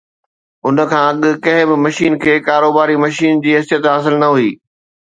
ان کان اڳ ڪنهن به مشين کي ڪاروباري مشين جي حيثيت حاصل نه هئي